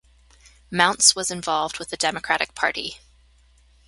Mounts was involved with the Democratic Party.